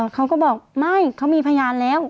เขาก็บอกไม่เขามีพยานแล้ว